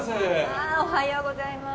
おはようございます。